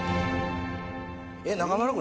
えっ中丸君